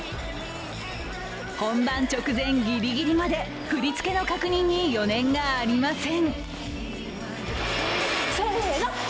本番直前ギリギリまで振り付けの確認に余念がありません。